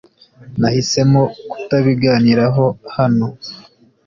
Nahisemo kutabiganiraho hano .